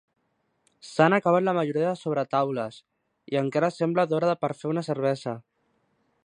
S'han acabat la majoria de sobretaules i encara sembla d'hora per fer una cervesa.